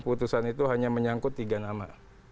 putusan itu hanya menyangkut tiga nama